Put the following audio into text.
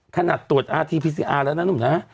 ถ็นดรรสตรวจอธิพศิษย์ระณุ่งอา